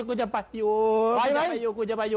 กูจะไปอยู่